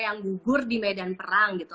yang gugur di medan perang gitu